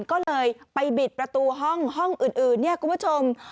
ก็เลยไปบิดประตูห้องห้องอื่นเนี่ยคุณผู้ชม